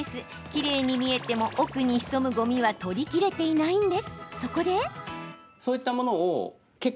きれいに見えても奥に潜むごみは取りきれていないんです。